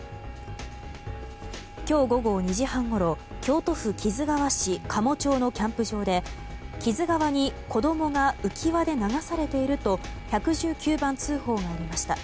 今日午後２時半ごろ京都府木津川市加茂町のキャンプ場で木津川に子供が浮き輪で流されていると１１９番通報がありました。